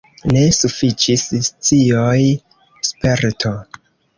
Ne sufiĉis scioj, sperto.